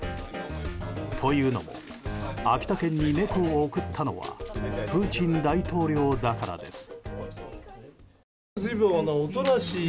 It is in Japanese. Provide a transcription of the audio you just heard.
というのも秋田県に猫を贈ったのはプーチン大統領だからです。